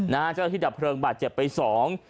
เจ้าหน้าที่ดับเพลิงบาดเจ็บไปสอง